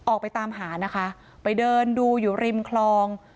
ออกไปตามหานะคะไปเดินดูอยู่ริมคลอง